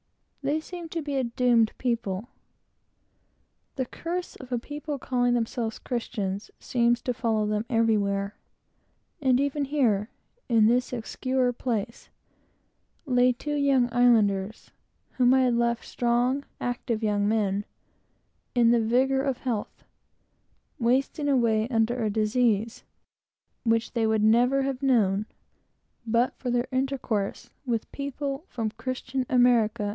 They seem to be a doomed people. The curse of a people calling themselves Christian, seems to follow them everywhere; and even here, in this obscure place, lay two young islanders, whom I had left strong, active young men, in the vigor of health, wasting away under a disease, which they would never have known but for their intercourse with Christianized Mexico and people from Christian America.